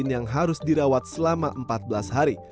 yang harus dirawat selama empat belas hari